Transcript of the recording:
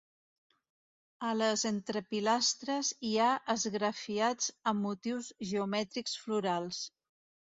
A les entrepilastres hi ha esgrafiats amb motius geomètrics florals.